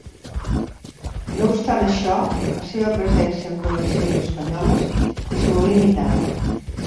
No obstant això, la seva presència en col·leccions espanyoles és molt limitada.